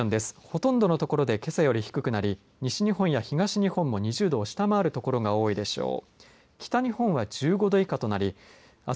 ほとんどの所でけさより低くなり西日本や東日本も２０度を下回る所が多いでしょう。